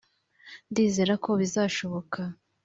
ndizera ko bizashoboka